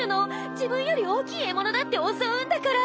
自分より大きい獲物だって襲うんだから。